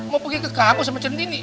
mau pergi ke kapal sama cendini